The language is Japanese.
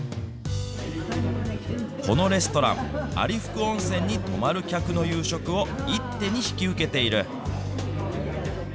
このレストラン、有福温泉に泊まる客の夕食を一手に引き受けている。